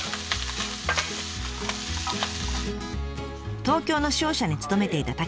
東京の商社に勤めていた武さん。